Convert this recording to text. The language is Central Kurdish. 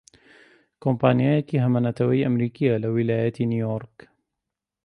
کۆمپانیایەکی هەمەنەتەوەیی ئەمریکییە لە ویلایەتی نیویۆرک